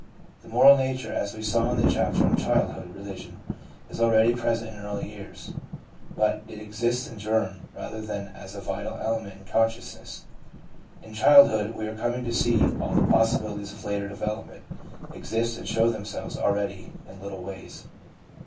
The moral nature, as we saw in the chapter on childhood religion, is already present in early years ; but it exists in germ rather than as a vital element in con sciousness. In childhood, we are coming to see, all the possibilities of later development exist and show themselves already in little ways.